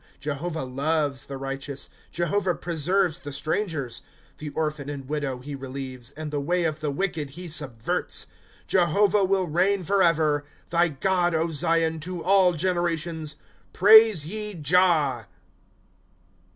Jehovah loves the righteous. ^ Jehovah preserves the strangers ; The orphan and widow he relieves ; And the way of the wiclied he subverts. ^^ Jehovah will reign forever. Thy God, Zion, to all generations. Praise ye Jah.